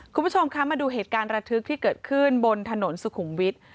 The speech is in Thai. คุณผู้ชมคะมาดูเหตุการณ์ระทึกที่เกิดขึ้นบนถนนสุขุมวิทย์